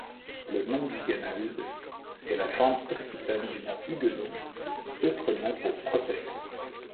Le nom d'Iganaoud est la forme occitane du nom Huguenot, autre nom pour Protestant.